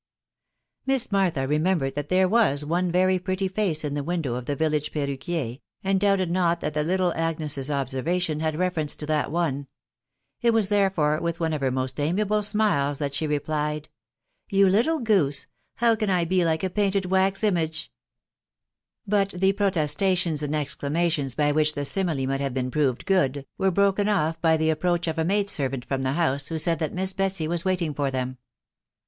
Miss Martha remembered that there too* one very pretty face in the wjpdow of the village perruquier, and doubted not that the little Agnes' s observation had reference to that one ; it was therefore with one of her most amiable smiles that she replied, —" You little goose !... how can I be like a painted wax image r But the protestations and exclamations by which the simile might have been proved good, were broken off by the approach of a maid servant from the house, who said that Miss Betsy was waiting for them.